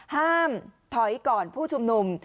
ห้ามถอยก่อนผู้ชุมนุม